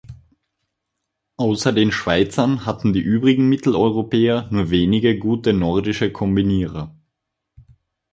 Außer den Schweizern hatten die übrigen Mitteleuropäer nur wenige gute nordische Kombinierer.